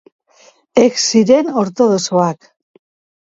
Ez ziren ortodoxoak.